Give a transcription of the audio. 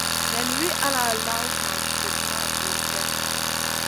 Nen wi ala lawna ma gudmaha bur kep.